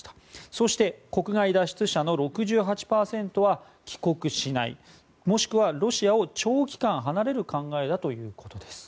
そして国外脱出者の６８％は帰国しないもしくはロシアを長期間離れる考えだということです。